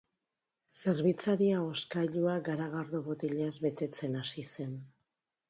Zerbitzaria hozkailua garagardo botilaz betetzen hasi zen.